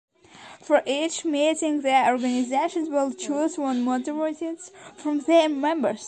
For each meeting, the organizations will choose one moderator. from their members.